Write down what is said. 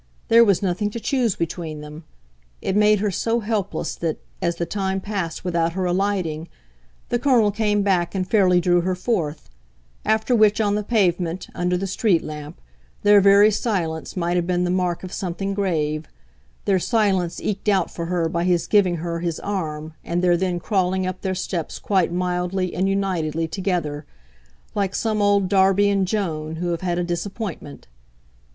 There was nothing to choose between them. It made her so helpless that, as the time passed without her alighting, the Colonel came back and fairly drew her forth; after which, on the pavement, under the street lamp, their very silence might have been the mark of something grave their silence eked out for her by his giving her his arm and their then crawling up their steps quite mildly and unitedly together, like some old Darby and Joan who have had a disappointment.